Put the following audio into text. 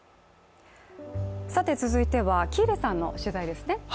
続いては喜入さんの取材ですね。